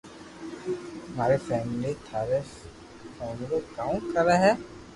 مارو فيملي ٿاري فيملو ڪاو ڪري ھي